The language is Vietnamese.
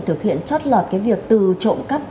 thực hiện chót lọt cái việc từ trộm cắp